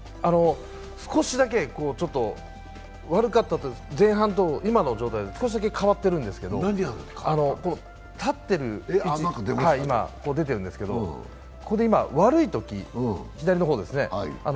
少しだけ悪かった前半と、今の状態と少しだけ変わってるんですけど立ってる位置、今、出てるんですけど、ここで悪いとき、左の方ですね。